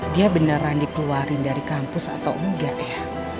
dia beneran dikeluarin dari kampus atau enggak ya